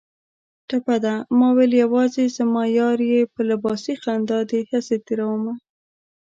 ټپه ده: ماوېل یوازې زما یار یې په لباسي خندا دې هسې تېروتمه